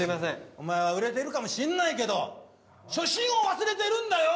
お前は売れてるかもしれないけど初心を忘れているんだよ！